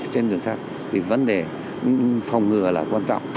trên đường sắt thì vấn đề phòng ngừa là quan trọng